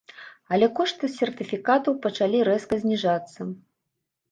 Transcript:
Але кошты сертыфікатаў пачалі рэзка зніжацца.